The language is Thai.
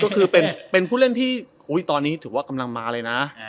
ก็คือเป็นผู้เล่นที่ตอนนี้ถือว่ากำลังมาเลยนะ